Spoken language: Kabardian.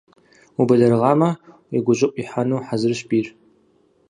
Убэлэрыгъамэ, уи гущӀыӀу ихьэну хьэзырщ бийр.